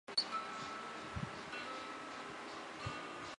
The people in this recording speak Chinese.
去柔然迎文帝悼皇后郁久闾氏。